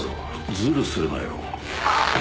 ズルするなよ。